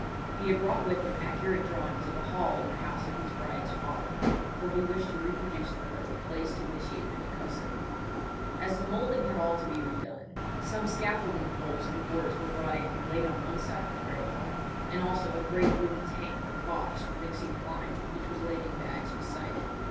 He had brought with him accurate drawings of a hall in the house of his bride's father, for he wished to reproduce for her the place to which she had been accustomed. As the moulding had all to be re done, some scaffolding poles and boards were brought in and laid on one side of the great hall, and also a great wooden tank or box for mixing the lime, which was laid in bags beside it.